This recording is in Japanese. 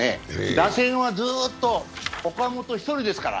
打線はずっと岡本１人ですから。